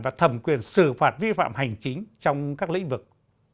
và thẩm quyền xử phạt vi phạm hành chính trong các lĩnh vực